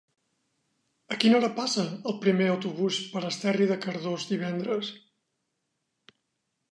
A quina hora passa el primer autobús per Esterri de Cardós divendres?